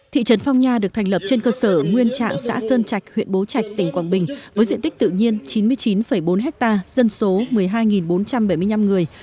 thị trấn phong nha được thành lập trên cơ sở nguyên trạng xã sơn trạch huyện bố trạch tỉnh quảng bình với diện tích tự nhiên chín mươi chín bốn ha dân số một mươi hai bốn trăm bảy mươi năm người